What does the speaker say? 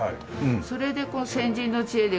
それで先人の知恵でこれが。